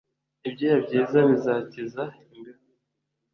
Ibyuya byiza bizakiza imbeho